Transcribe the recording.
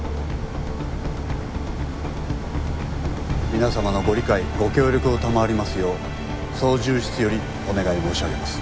皆様のご理解ご協力を賜りますよう操縦室よりお願い申し上げます。